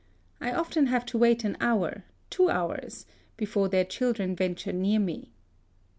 I often have to wait an hour — two hours, before their children venture near me.''